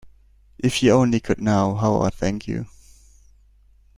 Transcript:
If you only could know how I thank you.